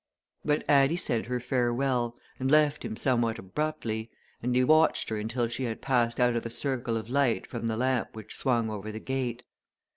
But Addie said her farewell, and left him somewhat abruptly, and he watched her until she had passed out of the circle of light from the lamp which swung over the gate.